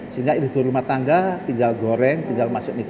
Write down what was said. sehingga ini di rumah tangga tinggal goreng tinggal masuk mikro